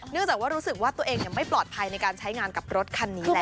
จากว่ารู้สึกว่าตัวเองไม่ปลอดภัยในการใช้งานกับรถคันนี้แล้ว